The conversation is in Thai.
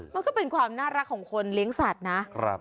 มันก็เป็นความน่ารักของคนเลี้ยงสัตว์นะ